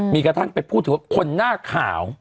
มีกระทั่งไปพูดถึงว่าคนหน้าขาว